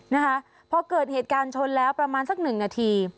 นะคะพอเกิดเหตุการณ์ชนแล้วประมาณสักหนึ่งนาที